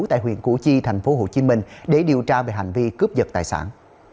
tại huyện củ chi thành phố hồ chí minh để điều tra về hành vi cướp giật tài sản